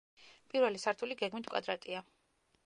პირველი სართული გეგმით კვადრატია.